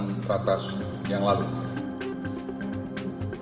kami ingin segera tuntaskan ini dan berangkat dari hasil keputusan